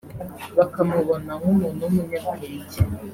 bakamubona nk’umuntu w’umunyabwenge